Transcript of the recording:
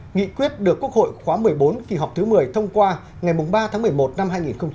nghị quyết được quốc hội khóa một mươi bốn kỳ họp thứ một mươi thông qua ngày ba tháng một mươi một năm hai nghìn hai mươi